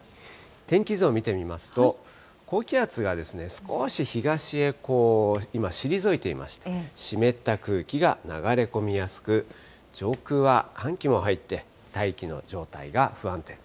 天気図を見てみますと、高気圧がですね、少し東へこう、今、退いていまして、湿った空気が流れ込みやすく、上空は寒気も入って、大気の状態が不安定。